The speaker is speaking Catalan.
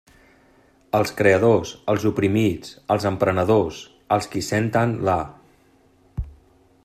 Els creadors, els oprimits, els emprenedors, els qui senten la.